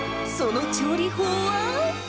その調理法は。